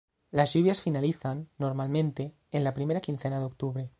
Las lluvias finalizan, normalmente, en la primera quincena de octubre.